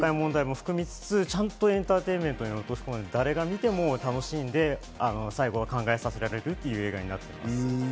社会問題も含みつつ、ちゃんとエンターテインメントに落とし込んで、誰が見ても楽しんで、最後は考えさせられるという映画になっています。